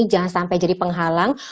jangan sampai jadi penghalang